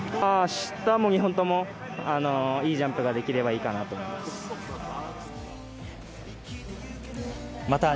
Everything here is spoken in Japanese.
あしたも２本ともいいジャンプができればいいかなと思います。